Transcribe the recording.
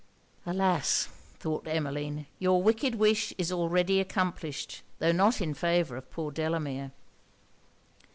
Alas! thought Emmeline, your wicked wish is already accomplished, tho' not in favour of poor Delamere.